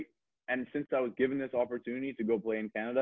dan karena gue diberi kesempatan ini untuk main di kanada